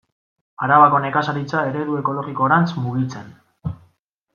Arabako nekazaritza eredu ekologikorantz mugitzen.